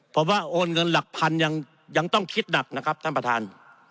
ผมว่าโอนเงินหลักพันยังต้องคิดหนักนะครับท่านประธาน